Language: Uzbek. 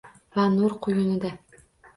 Va nur quyunida